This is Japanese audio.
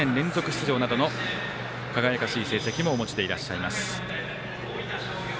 大会連続出場など輝かしい成績もお持ちでいらっしゃいます。